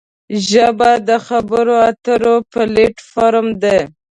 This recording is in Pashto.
ژبه د خبرو اترو پلیټ فارم دی